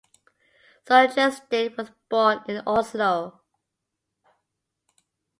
Sejersted was born in Oslo.